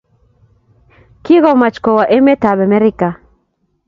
Kigomach kowa emetab Amerika